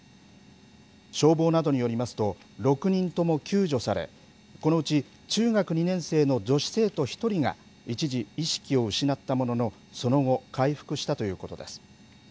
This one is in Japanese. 消防などによりますと、６人とも救助され、このうち、中学２年生の女子生徒１人が、一時、意識を失ったものの、その後、回復したということです。